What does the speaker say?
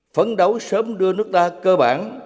phấn đấu sớm đưa nước ta cơ bản